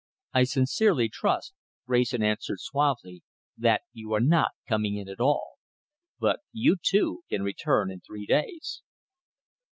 "I sincerely trust," Wrayson answered suavely, "that you are not coming in at all. But you, too, can return in three days."